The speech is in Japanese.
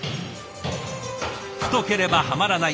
太ければはまらない。